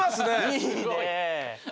いいねえ。